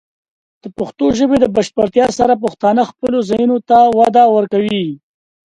د پښتو ژبې د بشپړتیا سره، پښتانه خپلو ځایونو ته وده ورکوي.